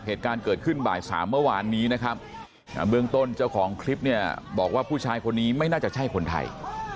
เหตุการณ์เกิดขึ้นบ่ายสามเมื่อวานนี้นะครับเบื้องต้นเจ้าของคลิปเนี่ยบอกว่าผู้ชายคนนี้ไม่น่าจะใช่คนไทย